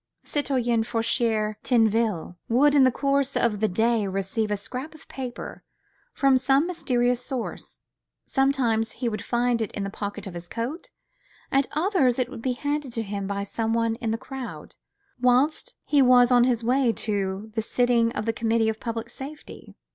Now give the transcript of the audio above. Citoyen Foucquier Tinville would in the course of the day receive a scrap of paper from some mysterious source; sometimes he would find it in the pocket of his coat, at others it would be handed to him by someone in the crowd, whilst he was on his way to the sitting of the Committee of Public Safety.